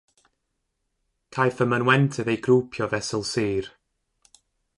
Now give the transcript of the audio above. Caiff y mynwentydd eu grwpio fesul sir.